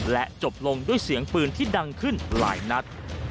และจบลงด้วยเสียงปืนที่ดังขึ้นหลายนัด